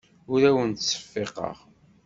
Ur awent-ttseffiqeɣ.